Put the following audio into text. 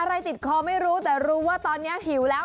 อะไรติดคอไม่รู้แต่รู้ว่าตอนนี้หิวแล้ว